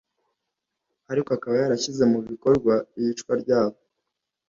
ariko akaba yarashyize mu bikorwa iyicwa ryabo